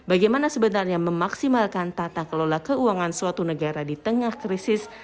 bagaimana sebenarnya memaksimalkan tata kelola keuangan suatu negara di tengah krisis